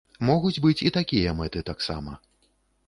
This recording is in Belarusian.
Могуць быць і такія мэты таксама.